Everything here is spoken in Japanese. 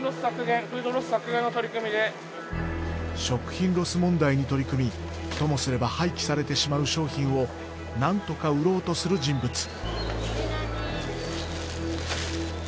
食品ロス問題に取り組みともすれば廃棄されてしまう商品をなんとか売ろうとする人物。